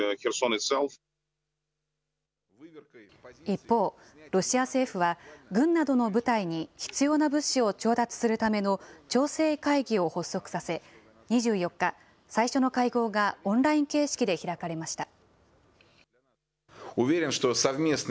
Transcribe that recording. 一方、ロシア政府は、軍などの部隊に必要な物資を調達するための調整会議を発足させ、２４日、最初の会合がオンライン形式で開かれました。